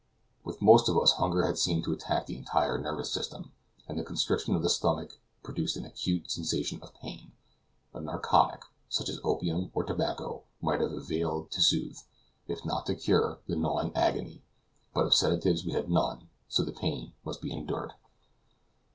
With most of us hunger seemed to attack the entire nervous system, and the constriction of the stomach produced an acute sensation of pain. A narcotic, such as opium or tobacco, might have availed to soothe, if not to cure, the gnawing agony; but of sedatives we had none, so the pain must be endured.